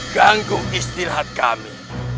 ganggu istirahat kami